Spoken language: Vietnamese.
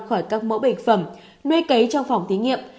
khỏi các mẫu bệnh phẩm nuôi cấy trong phòng thí nghiệm